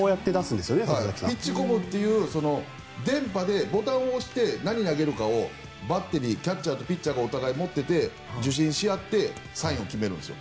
ピッチコムという電波でボタンを押して何を投げるかをバッテリーキャッチャーとピッチャーがお互い持っていて受信し合ってサインを決めるんです。